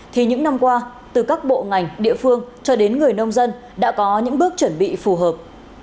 thì những năm qua từ các bộ ngành địa phương cho đến người nông dân đã có những bước chuẩn bị phù hợp